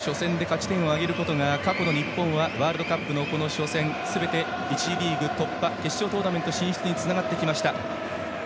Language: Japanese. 初戦で勝ち点を挙げることが過去の日本はワールドカップの初戦すべて１次リーグ突破決勝トーナメント進出につながりました。